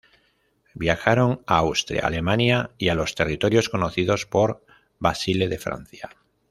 Viajaron a Austria, Alemania, y a los territorios conocidos por Vasile de Francia.